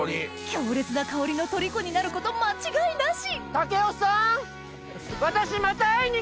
強烈な香りのとりこになること間違いなし！